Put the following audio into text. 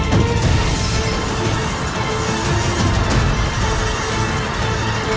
aku akan menangkapmu